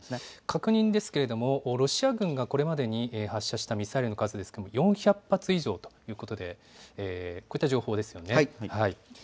確認ですがロシア軍がこれまでに発射したミサイルの数は４００発以上ということでそういう情報ですよね。